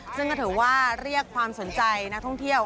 ซึ่งก็ถือว่าเรียกความสนใจนักท่องเที่ยว